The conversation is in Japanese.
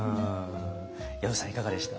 薮さんいかがでした？